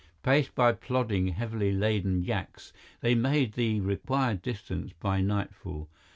Paced by plodding, heavily laden yaks, they made the required distance by nightfall.